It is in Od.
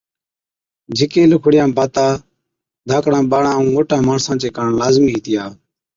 جھِڪي لِکوڙِيا باتا ڌاڪڙان ٻاڙان ائُون موٽان ماڻسان چي ڪاڻ لازمِي هِتِيا